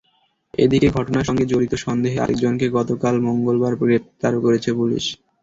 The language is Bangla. এদিকে ঘটনার সঙ্গে জড়িত সন্দেহে আরেকজনকে গতকাল মঙ্গলবার গ্রেপ্তার করেছে পুলিশ।